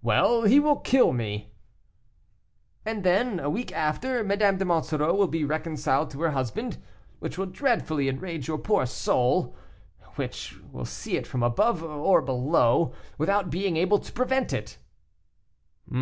"Well! he will kill me." "And then, a week after, Madame de Monsoreau will be reconciled to her husband, which will dreadfully enrage your poor soul, which will see it from above or below, without being able to prevent it."